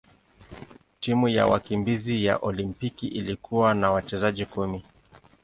Timu ya wakimbizi ya Olimpiki ilikuwa na wachezaji kumi.